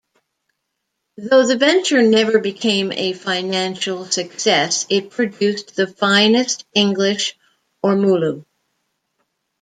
Though the venture never became a financial success, it produced the finest English ormolu.